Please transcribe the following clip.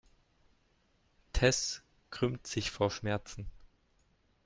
Tess krümmt sich vor Schmerzen.